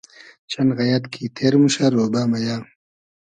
چئن غئیئد کی تیر موشۂ رۉبۂ مئیۂ